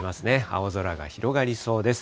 青空が広がりそうです。